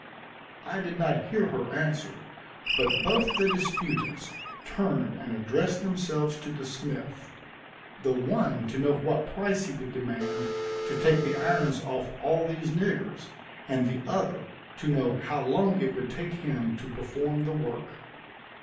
I did not hear her answer, but both the disputants turned and addressed themselves to the smith the one to know what price he would demand to take the irons off all these niggers, and the other to know how long it would take him to perform the work.